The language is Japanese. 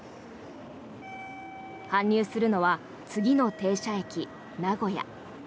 搬入するのは次の停車駅、名古屋。